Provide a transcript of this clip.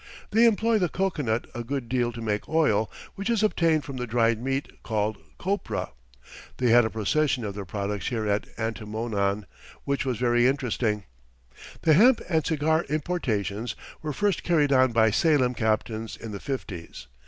They employ the cocoanut a good deal to make oil, which is obtained from the dried meat, called copra. They had a procession of their products here at Antimonan, which was very interesting. The hemp and cigar importations were first carried on by Salem captains in the fifties.